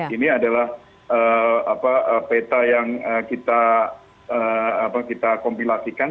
ini adalah peta yang kita kompilasikan